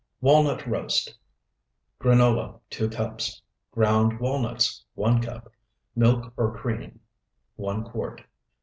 WALNUT ROAST Granola, 2 cups. Ground walnuts, 1 cup. Milk or cream, 1 quart.